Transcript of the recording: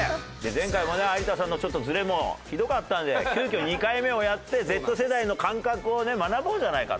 前回もね有田さんのずれもひどかったんで急きょ２回目をやってＺ世代の感覚をね学ぼうじゃないかと。